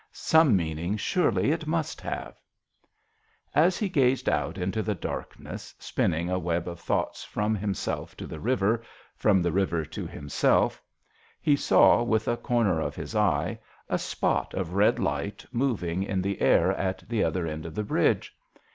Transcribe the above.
Some meaning surely it must have ! As he gazed out into the darkness, spinning a web of thoughts from himself to the river, from the river to himself, he saw, with a corner of his eye, a spot of red light moving in the 10 JOHN SHERMAN. air at the other end of the bridge.